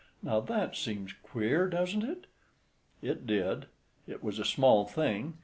Now that seems queer, doesn't it?" It did. It was a small thing.